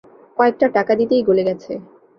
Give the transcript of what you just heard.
কয়েকটা টাকা দিতেই গলে গেছে।